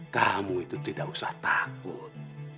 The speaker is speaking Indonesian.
kamu itu tidak usah takut